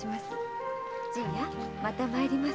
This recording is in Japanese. じぃまた参ります。